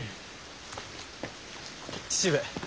父上。